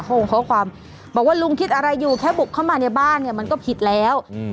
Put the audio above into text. ข้อความบอกว่าลุงคิดอะไรอยู่แค่บุกเข้ามาในบ้านเนี่ยมันก็ผิดแล้ว